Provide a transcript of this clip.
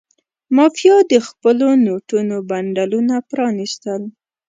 مافیا د خپلو نوټونو بنډلونه پرانستل.